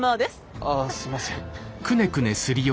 ああすいません。